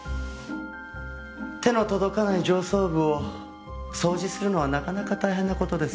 手の届かない上層部を掃除するのはなかなか大変な事です。